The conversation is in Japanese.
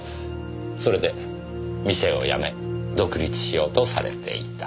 それで店を辞め独立しようとされていた。